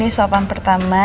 ini sopan pertama